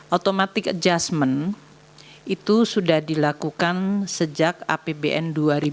automatic adjustment itu sudah dilakukan sejak apbn dua ribu dua puluh